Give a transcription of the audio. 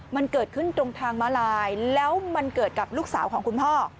มันเกิดขึ้นตรงทางม้าลายแล้วมันเกิดกับลูกสาวของคุณพ่อ